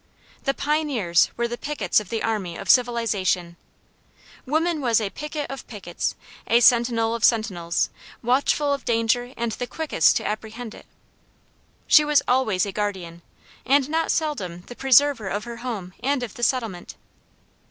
The pioneers were the pickets of the army of civilization: woman was a picket of pickets, a sentinel of sentinels, watchful of danger and the quickest to apprehend it. She was always a guardian, and not seldom the preserver of her home and of the settlement.